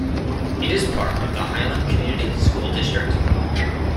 It is part of the Highland Community School District.